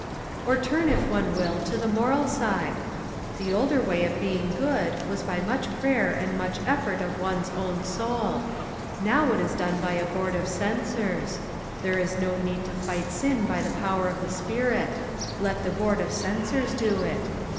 Or turn if one will to the moral side. The older way of being good was by much prayer and much effort of one's own soul. Now it is done by a Board of Censors. There is no need to fight sin by the power of the spirit: let the Board of Censors do it.